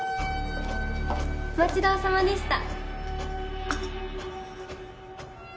お待ちどおさまでした。